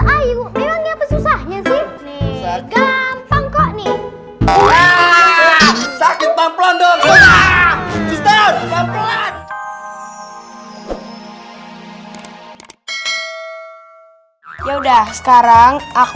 ayuh memangnya pesan ya sih gampang kok nih sakit pamplon dong ya udah sekarang aku